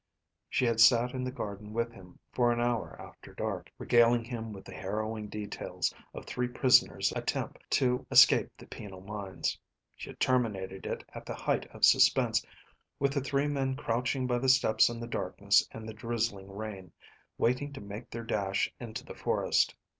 She had sat in the garden with him for an hour after dark, regaling him with the harrowing details of three prisoners' attempt to escape the penal mines. She had terminated it at the height of suspense with the three men crouching by the steps in the darkness and the drizzling rain, waiting to make their dash into the forest.